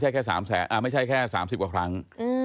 ไม่ใช่แค่๓๐กว่าครั้ง